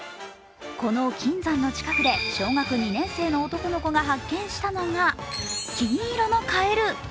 この金山の近くで小学２年生の男の子が発見したのが金色のカエル。